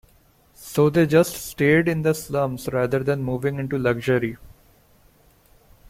So they just stayed in the slums rather than moving into luxury.